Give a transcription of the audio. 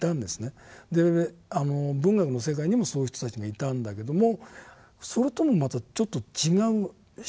文学の世界にもそういう人たちもいたんだけどもそれともまたちょっと違う質。